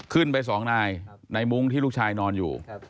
ขึ้นไปสองนายในมุ้งที่ลูกชายนอนอยู่